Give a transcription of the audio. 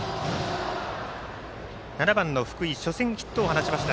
７番の福井初戦ヒットを放ちました。